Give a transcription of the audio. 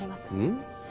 ん？